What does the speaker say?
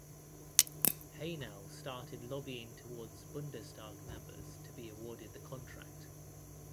Haenel started lobbying towards "Bundestag" members to be awarded the contract.